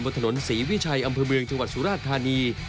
บนถนนศรีวิชัยอำเภอเมืองจังหวัดสุราชธานี